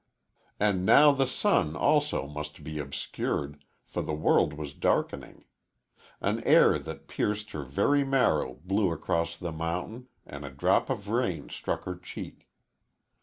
And now the sun, also, must be obscured, for the world was darkening. An air that pierced her very marrow blew across the mountain and a drop of rain struck her cheek.